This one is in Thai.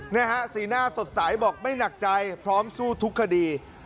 นะฮะสีหน้าสดใสบอกไม่หนักใจพร้อมสู้ทุกคดี